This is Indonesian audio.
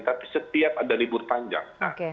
tapi setiap ada libur panjang